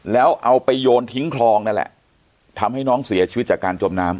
แล้วเอาไปโยนทิ้งคลองนั่นแหละทำให้น้องเสียชีวิตจากการจมน้ำ